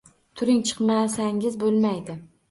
Turing, chiqmasangiz boʻlmaydi